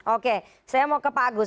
oke saya mau ke pak agus